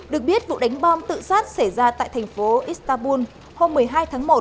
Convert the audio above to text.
được biết vụ đánh bom tự sát xảy ra tại thành phố istanbul hôm một mươi hai tháng một